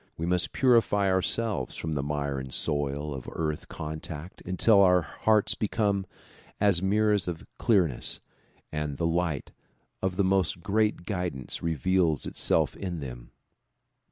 We must purify ourselves from the mire and soil of earth contact until our hearts become as mirrors in clearness and the light of the most great guidance re veals itself in them.